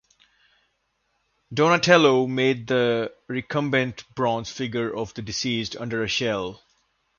Donatello made the recumbent bronze figure of the deceased, under a shell.